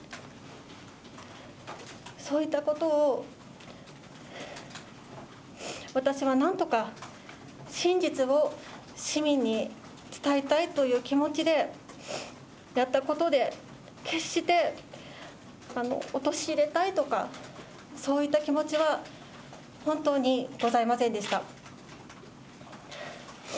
そういったことを、私はなんとか真実を市民に伝えたいという気持ちでやったことで、決して陥れたいとか、そういった気持ちは本当にございませんでした。